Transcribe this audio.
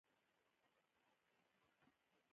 مذهبي پروژو سره مرسته د کمۍ پوره کولو لاره ده.